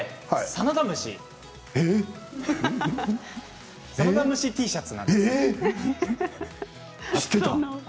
サナダムシＴシャツなんです。